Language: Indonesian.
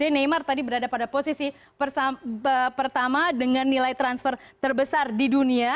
jadi neymar tadi berada pada posisi pertama dengan nilai transfer terbesar di dunia